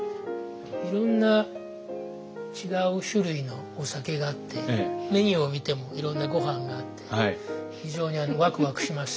いろんな違う種類のお酒があってメニューを見てもいろんなご飯があって非常にワクワクしますし。